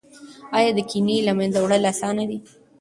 ایا د کینې له منځه وړل اسانه دي؟